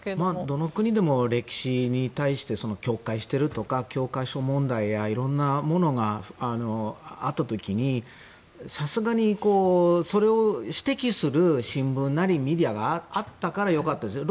どの国でも歴史に対して曲解してるとか教科書問題とかいろいろあった時にさすがにそれを指摘する新聞やメディアがあったからよかったですよね。